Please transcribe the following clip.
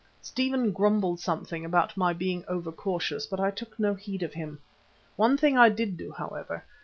Stephen grumbled something about my being over cautious, but I took no heed of him. One thing I did do, however.